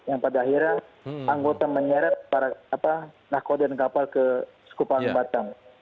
yang pada akhirnya anggota menyeret para nakoden kapal ke sekupang batam